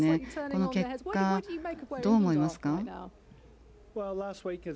この結果、どう思いますか？